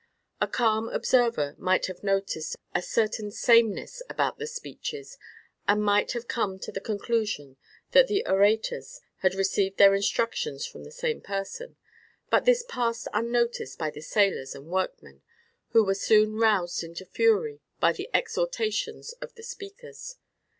A calm observer might have noticed a certain sameness about the speeches, and might have come to the conclusion that the orators had received their instructions from the same person, but this passed unnoticed by the sailors and workmen, who were soon roused into fury by the exhortations of the speakers.